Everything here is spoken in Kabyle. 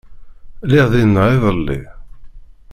Lliɣ dinna iḍelli.